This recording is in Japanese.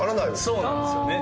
そうなんですよね。